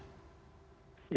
apakah itu sudah ditingkatkan